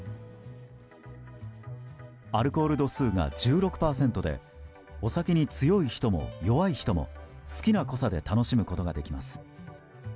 アルコール度数が１６％でお酒に強い人も弱い人も好きな濃さで楽しむことができます。